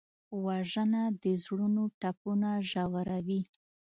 وژنه د زړونو ټپونه ژوروي